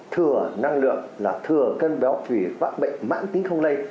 thừa năng lượng là thừa cân béo vì các bệnh mãn tính không lây